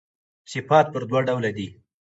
صفات پر دوه ډوله دي.